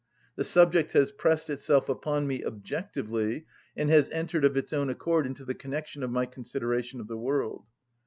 The subject has pressed itself upon me objectively, and has entered of its own accord into the connection of my consideration of the world.